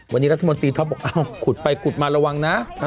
วันนี้รัฐมนตรีท็อปบอกขุดไปขุดมาระวังนะ